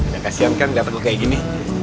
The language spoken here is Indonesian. gak kasihan kan dapet lo kayak gini